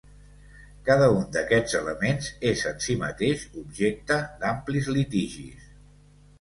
Cada un d'aquests elements és en si mateix objecte d'amplis litigis.